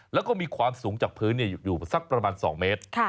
แล้วก็มีความสูงจากพื้นอยู่สักประมาณ๒เมตร